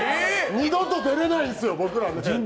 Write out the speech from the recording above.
二度とでれないんですよ、僕ら！